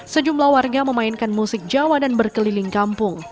sejumlah warga memainkan musik jawa dan berkeliling kampung